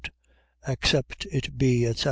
Except it be, etc. .